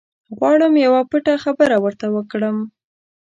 غواړم یوه پټه خبره ورته وکړم.